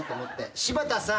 柴田さん。